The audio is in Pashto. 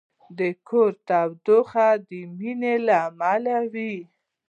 د کور تودوخه د مینې له امله وي.